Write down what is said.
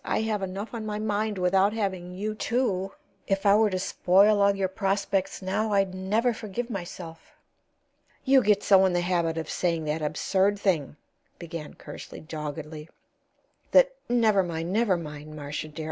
"I have enough on my mind without having you, too. If I were to spoil all your prospects now, I'd never forgive myself." "You get so in the habit of saying that absurd thing," began Kersley, doggedly, "that Never mind, never mind, Marcia dear.